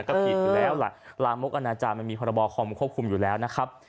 ก็ผิดอยู่แล้วล่ะลามกอนาจารย์มันมีพรบคอมควบคุมอยู่แล้วนะครับ